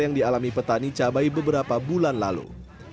yang dialami petani cabai beberapa bulan lalu